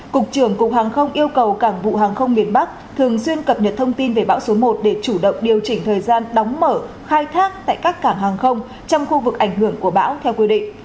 cục trưởng cục hàng không yêu cầu cảng vụ hàng không miền bắc thường xuyên cập nhật thông tin về bão số một để chủ động điều chỉnh thời gian đóng mở khai thác tại các cảng hàng không trong khu vực ảnh hưởng của bão theo quy định